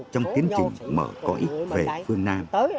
trong kiến trình mở cõi về phương nam